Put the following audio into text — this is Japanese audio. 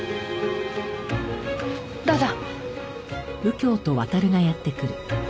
どうぞ。